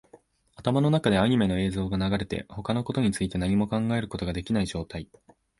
頭の中でアニメの映像が流れて、他のことについて何も考えることができない状態